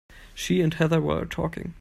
She and Heather were talking.